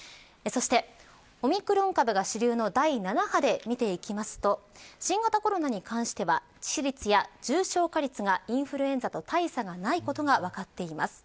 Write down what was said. そしてオミクロン株が主流の第７波で見ていきますと新型コロナに関しては致死率や重症化率がインフルエンザと大差がないことが分かっています。